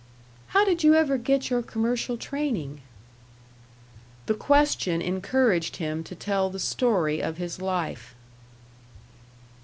"How did you ever get your commercial training?" The question encouraged him to tell the story of his life.